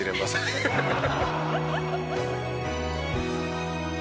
「ハハハハ！」